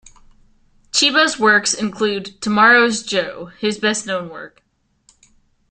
Chiba's works include "Tomorrow's Joe", his best known work.